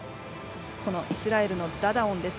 このイスラエルのダダオンです。